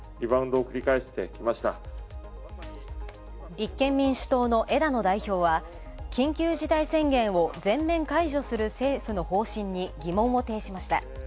立憲民主党の枝野代表は緊急事態宣言を全面解除する政府の方針に疑問を呈しました。